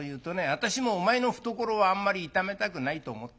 私もお前の懐をあんまり痛めたくないと思ってさ